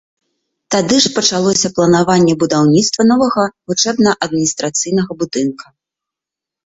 Тады ж пачалося планаванне будаўніцтва новага вучэбна-адміністрацыйнага будынка.